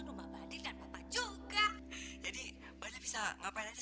bukan tetangga juga gak apa apa lagi